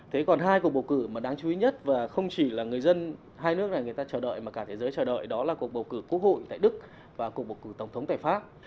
thế còn hai cuộc bầu cử mà đáng chú ý nhất và không chỉ là người dân hai nước này người ta chờ đợi mà cả thế giới chờ đợi đó là cuộc bầu cử quốc hội tại đức và cuộc bầu cử tổng thống tại pháp